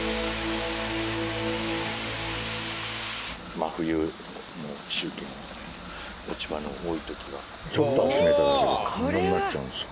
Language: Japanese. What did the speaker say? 真冬の中期の落ち葉の多い時はちょっと集めただけでこんなになっちゃうんですよ。